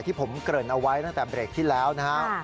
ที่ผมเกริ่นเอาไว้ตั้งแต่เบรกที่แล้วนะครับ